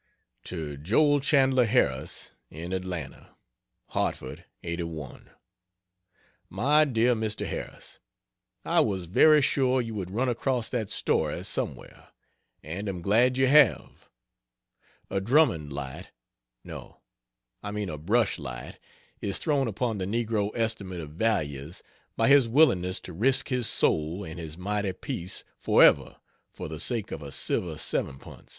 To Joel Chandler Harris, in Atlanta: HARTFORD, '81. MY DEAR MR. HARRIS, I was very sure you would run across that Story somewhere, and am glad you have. A Drummond light no, I mean a Brush light is thrown upon the negro estimate of values by his willingness to risk his soul and his mighty peace forever for the sake of a silver sev'm punce.